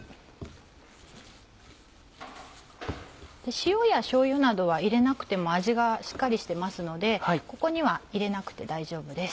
塩やしょうゆなどは入れなくても味がしっかりしてますのでここには入れなくて大丈夫です。